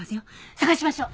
捜しましょう！